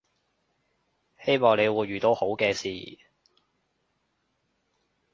希望你會遇到好嘅事